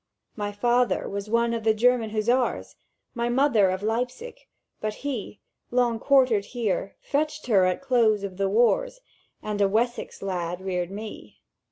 "My father was one of the German Hussars, My mother of Leipzig; but he, Long quartered here, fetched her at close of the wars, And a Wessex lad reared me.